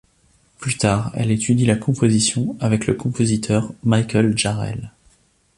Plus tard, elle étudie la composition avec le compositeur Michael Jarrell.